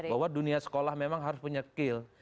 bahwa dunia sekolah memang harus punya skill